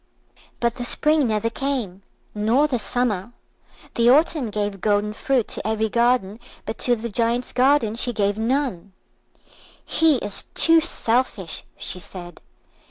But the Spring never came, nor the Summer. The Autumn gave golden fruit to every garden, but to the Giant's garden she gave none. "He is too selfish," she said.